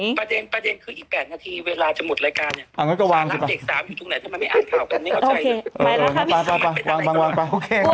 โอเคเคคใดของโม๊ดดำไง